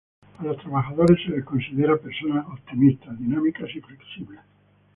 A los trabajadores se les considera personas optimistas, dinámicas y flexibles.